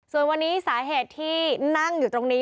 ส่วนวันนี้สาเหตุที่นั่งอยู่ตรงนี้